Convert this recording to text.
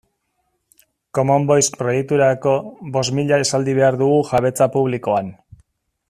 Common Voice proiekturako bost mila esaldi behar dugu jabetza publikoan